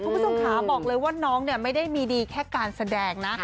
พี่ผู้ชมขอบอกเลยว่าน้องไม่ได้มีดีแค่การแข่งแสดง